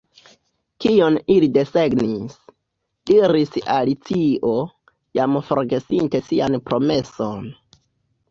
"Kion ili desegnis?" diris Alicio, jam forgesinte sian promeson.